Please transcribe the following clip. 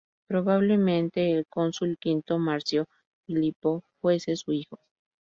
Probablemente el cónsul Quinto Marcio Filipo fuese su hijo.